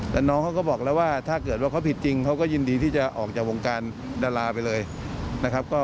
แต่น้องเขาก็บอกแล้วว่าถ้าเกิดว่าเขาผิดจริงเขาก็ยินดีที่จะออกจากวงการดาราไปเลยนะครับ